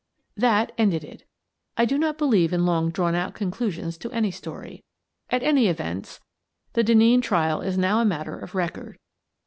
" That ended it. I do not believe in long drawn out conclusions to any story. At all events, the Denneen trial is now a matter of record.